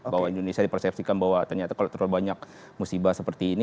bahwa indonesia dipersepsikan bahwa ternyata kalau terlalu banyak musibah seperti ini